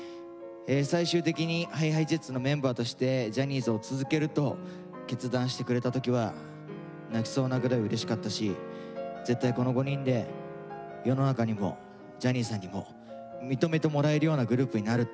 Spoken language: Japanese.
最終的にＨｉＨｉＪｅｔｓのメンバーとしてジャニーズを続けると決断してくれた時は泣きそうなぐらいうれしかったし絶対この５人で世の中にもジャニーさんにも認めてもらえるようなグループになるって決めた。